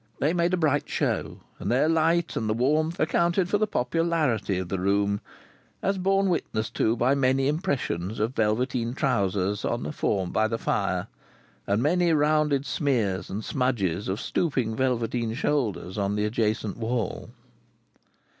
They made a bright show, and their light, and the warmth, accounted for the popularity of the room, as borne witness to by many impressions of velveteen trousers on a form by the fire, and many rounded smears and smudges of stooping velveteen shoulders on the adjacent wall.